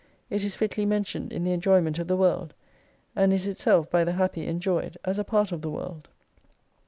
It is fitly mentioned in the enjoyment of the world. And is itself by the happy enjoyed, as a part of the world.